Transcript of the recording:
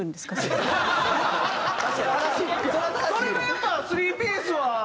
それはやっぱ３ピースは。